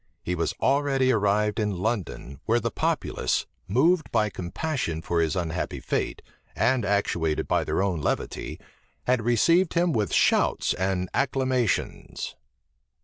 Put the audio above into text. He was already arrived in London, where the populace, moved by compassion for his unhappy fate, and actuated by their own levity, had received him with shouts and acclamations.